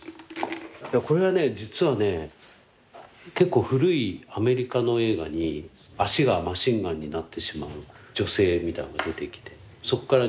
これがね実はね結構古いアメリカの映画に足がマシンガンになってしまう女性が出てきてそこからイメージして。